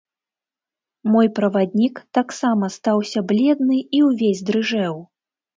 Мой праваднік таксама стаўся бледны і ўвесь дрыжэў.